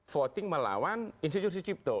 voting melawan institusi cipto